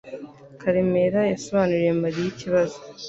Karemera yasobanuriye Mariya ikibazo.